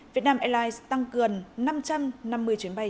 vietnam airlines tăng cường năm trăm năm mươi chuyến bay